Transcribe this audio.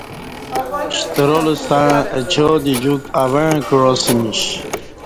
شترال ستݩع اچادی جوک اوݩع کعاسمیش